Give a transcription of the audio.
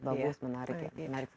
oh bagus bagus menarik